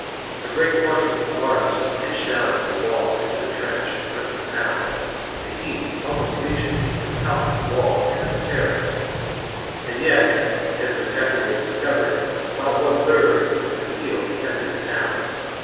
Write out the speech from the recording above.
A great quantity of arms was pitched down from the wall into the trench in front of the town, the heap almost reaching the top of the 74 THE FIRST CAMPAIGN book 57 B.C. wall and of the terrace ; and yet, as was after wards discovered, about one third was concealed and kept in the town.